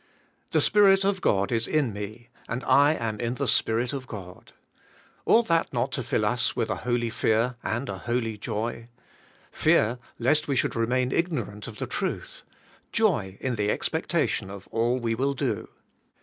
The Spirit of God is in me and I am in the Spirit of God. Ought that not to fill us with a holy fear and a holy joy? fear lest we should remain ignorant of the truth; joy in the expectation of all we will do.